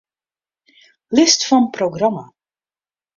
List fan programma.